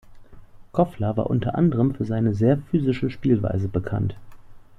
Kofler war unter anderem für seine sehr physische Spielweise bekannt.